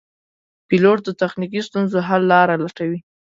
پیلوټ د تخنیکي ستونزو حل لاره لټوي.